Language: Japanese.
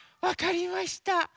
わかりました。